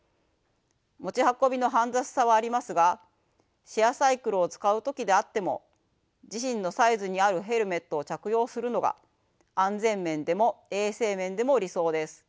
持ち運びの煩雑さはありますがシェアサイクルを使う時であっても自身のサイズに合うヘルメットを着用するのが安全面でも衛生面でも理想です。